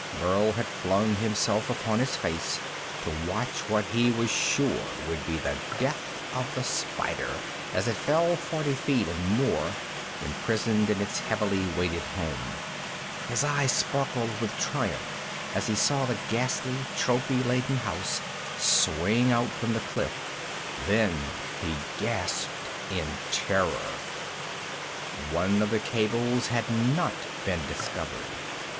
Burl had flung himself upon his face to watch what he was sure would be the death of the spider as it fell forty feet and more, imprisoned in its heavily weighted home. His eyes sparkled with triumph as he saw the ghastly, trophy laden house swing out from the cliff. Then he gasped in terror. One of the cables had not been discovered.